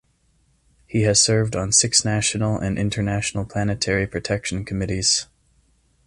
He has served on six national and international planetary protection committees.